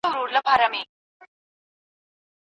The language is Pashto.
که علمي کتاب کيسه ييز وي، لوستل اسانه کېږي.